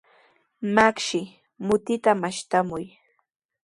Makshi, mutita mashtamuy.